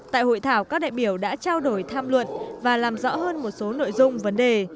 tại hội thảo các đại biểu đã trao đổi tham luận và làm rõ hơn một số nội dung vấn đề